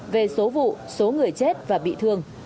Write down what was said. về số vụ số người chết và bị thương